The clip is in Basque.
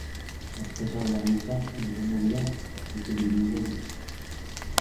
Hosto zabal handiak, lore moreak eta fruitu biribilak ditu.